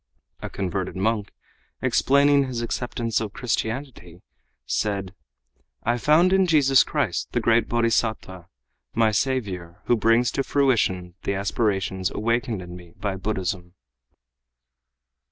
A converted monk, explaining his acceptance of Christianity, said: "I found in Jesus Christ the great Bodhisattva, my Saviour, who brings to fruition the aspirations awakened in me by Buddhism."